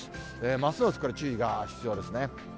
ますますこれ、注意が必要ですね。